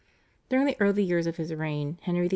During the early years of his reign Henry VIII.